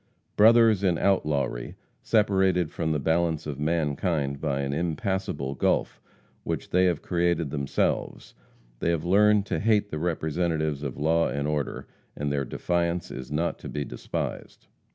Brothers in outlawry, separated from the balance of mankind by an impassable gulf which they have created themselves, they have learned to hate the representatives of law and order, and their defiance is not to be despised.